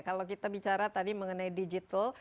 kalau kita bicara tadi mengenai digital